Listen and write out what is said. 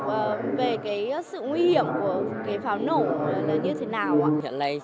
về sự nguy hiểm của pháo nổ như thế nào